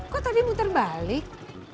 kok tadi muter balik